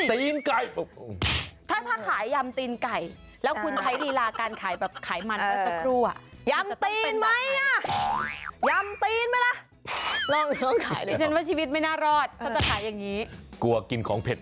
เป็นสามีคุณนั่งอย่างงี้ขายกันเองโอ้หรอ